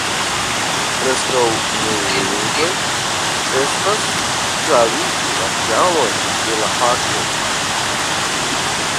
Preskaŭ neeble estas, klarigi la kialon de la fakto.